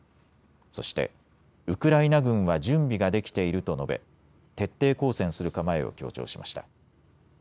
そして、ウクライナ軍は準備ができていると述べ徹底抗戦する構えを強調しました。